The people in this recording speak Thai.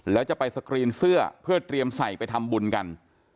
แล้วจะไปสกรีนเสื้อเพื่อเตรียมใส่ไปทำบุญกัน